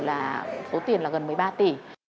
là số tiền là gần một mươi ba tỷ